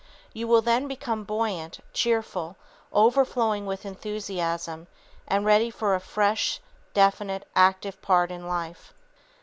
You will then become buoyant, cheerful, overflowing with enthusiasm, and ready for a fresh, definite, active part in life.